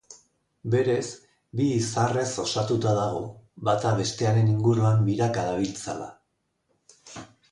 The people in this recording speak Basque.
Berez bi izarrez osatuta dago, bata bestearen inguruan biraka dabiltzala.